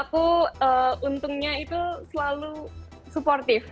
aku untungnya itu selalu supportif